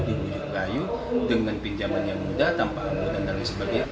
dibujuk kayu dengan pinjaman yang mudah tanpa anggota dan lain sebagainya